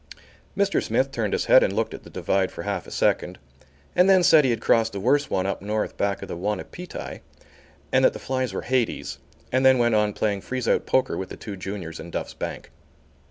Mr. Smith turned his head and looked at the divide for half a second and then said he had crossed a worse one up north back of the Wahnipitae and that the flies were Hades, and then went on playing freezeout poker with the two juniors in Duff's bank.